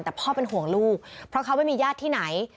แต่พ่อเป็นห่วงลูกเพราะเขาไม่มีญาติที่ไหน